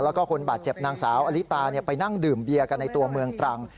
แล้วก็คนบาดเจ็บนางสาวอลิตาไปนั่งดื่มเบียร์กันในตัวเมืองตรัง